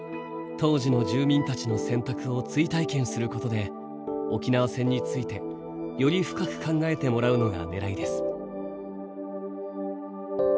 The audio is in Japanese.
当時の住民たちの選択を追体験することで沖縄戦についてより深く考えてもらうのがねらいです。